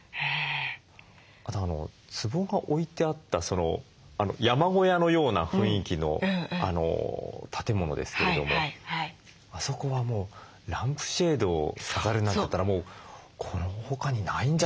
あとつぼが置いてあった山小屋のような雰囲気の建物ですけれどもあそこはもうランプシェードを飾るなんていったらもうこの他にないんじゃないかって。